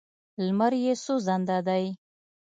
لمر یې سوځنده دی.